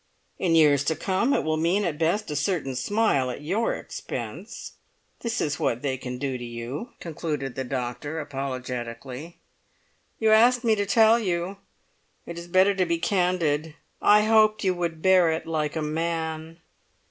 In years to come it will mean at best a certain smile at your expense! That is what they can do to you," concluded the doctor, apologetically. "You asked me to tell you. It is better to be candid. I hoped you would bear it like a man."